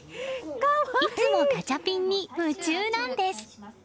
いつもガチャピンに夢中なんです。